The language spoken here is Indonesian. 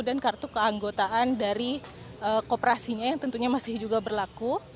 dan kartu keanggotaan dari kooperasinya yang tentunya masih juga berlaku